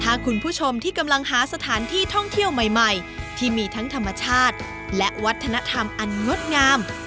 ถ้าคุณผู้ชมที่กำลังหาสถานที่ท่องเที่ยวใหม่ที่มีทั้งธรรมชาติและวัฒนธรรมอันงดงาม